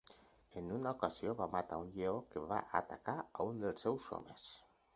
En una ocasió va matar un lleó que va atacar a un dels seus homes.